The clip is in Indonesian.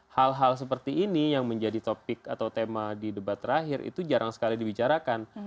hal hal seperti ini yang menjadi topik atau tema di debat terakhir itu jarang sekali dibicarakan